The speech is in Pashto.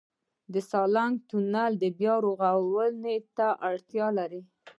د سالنګ تونل بیارغونې ته اړتیا لري؟